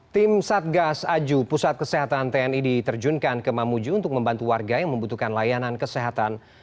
tim satgas aju pusat kesehatan tni diterjunkan ke mamuju untuk membantu warga yang membutuhkan layanan kesehatan